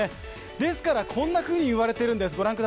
ですからこんなふうに言われているんです。